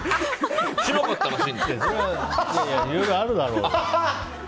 いろいろあるだろ。